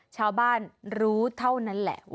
ชาวบ้านรู้เท่านั้นแหละ